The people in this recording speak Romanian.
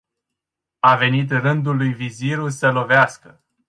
A venit rândul lui Viziru să lovească.